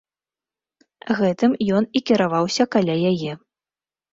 Гэтым ён і кіраваўся каля яе.